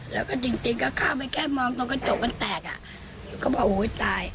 แล้วก็จริงจริงก็เข้าไปแค่มองตรงกระจกมันแตกอ่ะก็บอกอุ้ยตาย